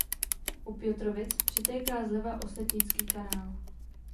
U Piotrowic přitéká zleva Osetnický kanál.